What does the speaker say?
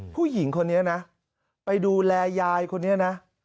ผู้หญิงคนนี้นะไปดูแลยายคนนี้นะ